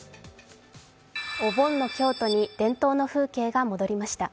お盆の京都に伝統の風景が戻りました。